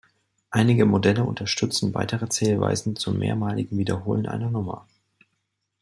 Einige Modelle unterstützen weitere Zählweisen zum mehrmaligen Wiederholen einer Nummer.